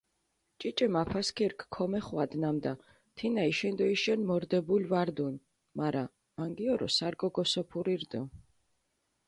ჭიჭე მაფასქირქ ქომეხვადჷ, ნამდა თინა იშენდოიშენ მორდებული ვარდუნ, მარა მანგიორო სარკო გოსოფური რდჷ.